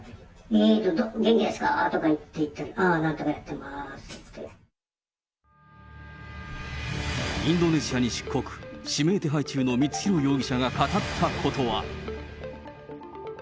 インドネシアでなんとかやっインドネシアに出国、指名手配中の光弘容疑者が語ったことは。